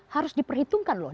harus diperhitungkan loh